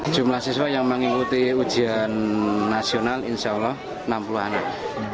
jumlah siswa yang mengikuti ujian nasional insya allah enam puluh anak